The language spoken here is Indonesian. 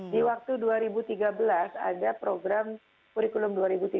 di waktu dua ribu tiga belas ada program kurikulum dua ribu tiga belas